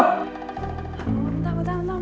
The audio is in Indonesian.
bentar bentar bentar